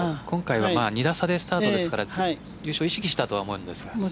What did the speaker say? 今回は２打差でスタートですから優勝を意識したと思うんですが。